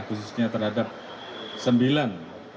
khususnya terhadap sembilan